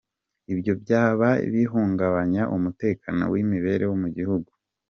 Ibyo byaha bihungabanya umutekano w’imbere mu gihugu.